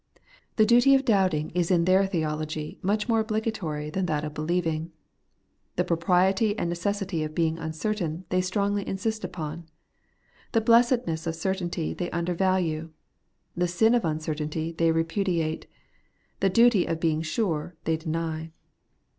The duty of doubting is in their theology much more obligatory than that of believing. The propriety and necessity of being imcertain they strongly insist upon; the blessedness of certainty they undervalue ; the sin of uncertainty they repu diate ; the duty of being sure they deny.